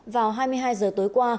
vào hai mươi hai giờ tối qua